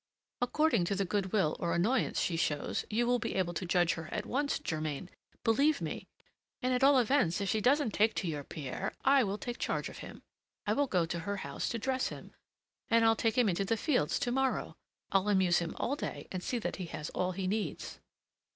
"According to the good will or annoyance she shows, you will be able to judge her at once, Germain, believe me; and at all events, if she doesn't take to your Pierre, I will take charge of him. I will go to her house to dress him, and I'll take him into the fields to morrow. I'll amuse him all day, and see that he has all he needs."